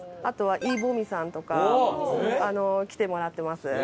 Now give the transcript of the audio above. あとはイ・ボミさんとか来てもらってます。